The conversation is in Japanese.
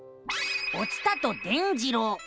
「お伝と伝じろう」。